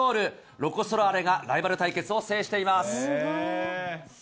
ロコ・ソラーレがライバル対決を制しています。